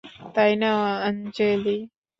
তাই না আঞ্জলি?